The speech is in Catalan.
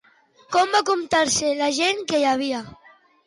Com va comportar-se la gent que hi havia?